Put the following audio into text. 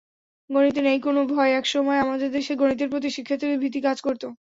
গণিতে নেই কোনো ভয়একসময় আমাদের দেশে গণিতের প্রতি শিক্ষার্থীদের ভীতি কাজ করত।